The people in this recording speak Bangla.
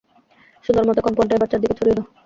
সুন্দরমত কম্পনটা এবার চারদিকে ছড়িয়ে দাও!